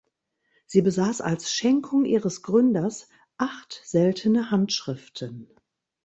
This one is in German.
Sie besaß als Schenkung ihres Gründers acht seltene Handschriften.